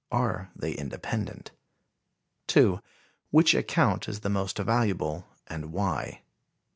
Are they independent? 2. Which account is the most valuable, and why?